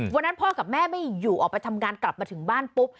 วันนั้นพ่อกับแม่ไม่อยู่ออกไปทำงานกลับมาถึงบ้านปุ๊บ